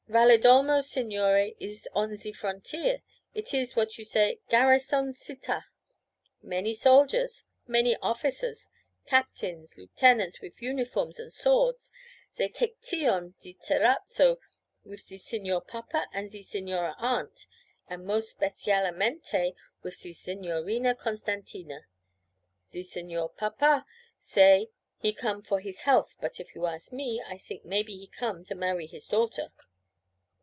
'Valedolmo, signore, is on ze frontier. It is what you say garrison città. Many soldiers, many officers captains, lieutenants, wif uniforms and swords. Zay take tea on ze terrazzo wif ze Signor Papa and ze Signora Aunt, and most specialmente wif ze Signorina Costantina. Ze Signor Papa say he come for his healf, but if you ask me, I sink maybe he come to marry his daughter.'